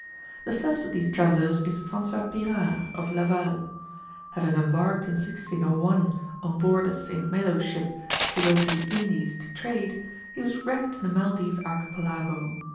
The first of these travellers is François Pyrard, of Laval. Having embarked in 1601 on board a St. Malo ship to go to the Indies to trade, he was wrecked in the Maldive Archipelago.